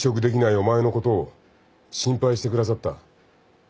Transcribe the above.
お前のことを心配してくださった。